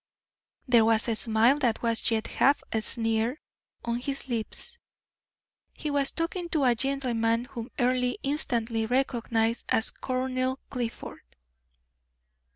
There was a smile that was yet half a sneer on his lips, he was talking to a gentleman whom Earle instantly recognized as Colonel Clifford.